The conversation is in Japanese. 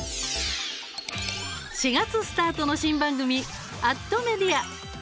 ４月スタートの新番組「アッ！とメディア」。